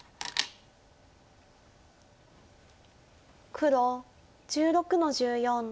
黒１６の十四。